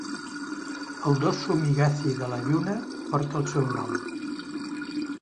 El Dorsum Higazy de la Lluna porta el seu nom.